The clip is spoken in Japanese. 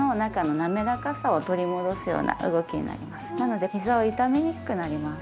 なのでひざを痛めにくくなります。